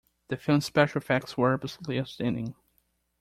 The film's special effects were absolutely outstanding.